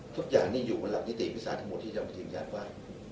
ทุกอย่างนี้อยู่ในหลักนิติวิสานทั้งหมดที่จะมีกิจกรรมว่า